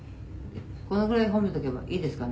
「このぐらい褒めておけばいいですかね？